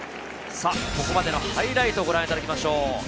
ここまでのハイライトをご覧いただきましょう。